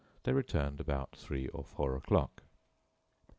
They returned about three or four o'clock.